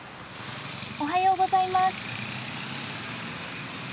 おはようございます。